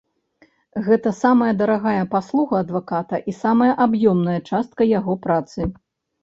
Гэта самая дарагая паслуга адваката і самая аб'ёмная частка яго працы.